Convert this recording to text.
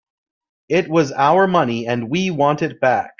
It was our money and we want it back.